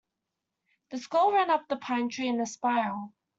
The squirrel ran up the pine tree in a spiral.